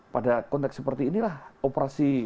pada konteks seperti inilah operasi